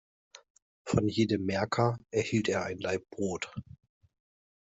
Von jedem Märker erhielt er ein Laib Brot.